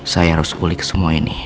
saya harus pulih ke semua ini